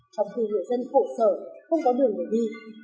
trong khi người dân khổ sở không có đường để đi